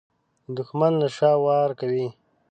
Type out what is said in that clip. دښمن له شا وار کوي